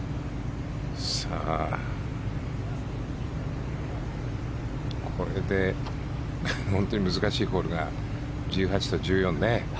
さあ、これで本当に難しいホールが１８と１４ね。